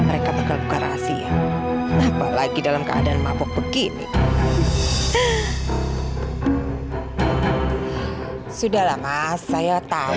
mereka berkeluk rahasia apalagi dalam keadaan mabok begini sudahlah mas saya tahu